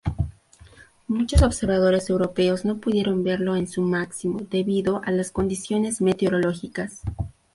Muchos observadores europeos no pudieron verlo en su máximo debido a las condiciones meteorológicas.